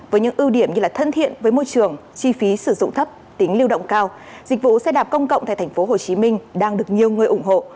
với những ưu điểm như thân thiện với môi trường chi phí sử dụng thấp tính lưu động cao dịch vụ xe đạp công cộng tại tp hcm đang được nhiều người ủng hộ